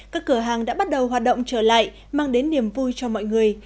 các cửa hàng đã bắt đầu hoạt động trở lại mang đến niềm vui cho mọi người